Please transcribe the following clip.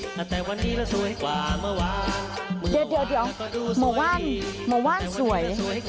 ตั้งแต่วันนี้แล้วสวยกว่าเมื่อวานเดี๋ยวหมอว่านหมอว่านสวย